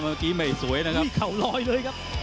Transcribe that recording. เมื่อกี้ไม่สวยนะครับเข่าลอยเลยครับ